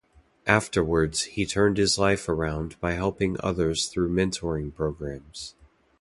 Afterwards, he turned his life around by helping others through mentoring programs.